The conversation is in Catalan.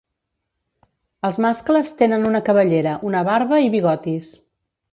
Els mascles tenen una cabellera, una barba i bigotis.